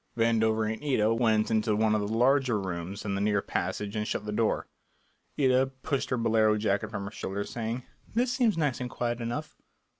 Vandover and Ida went into one of the larger rooms in the rear passage and shut the door. Ida pushed her bolero jacket from her shoulders, saying, "This seems nice and quiet enough."